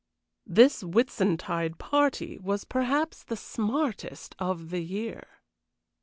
This Whitsuntide party was perhaps the smartest of the year.